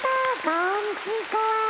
こんちこは。